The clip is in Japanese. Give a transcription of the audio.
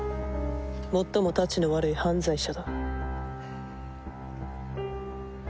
最もたちの悪い犯罪者だ。